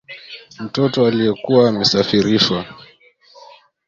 mtoto aliyekuwa amesafirishwa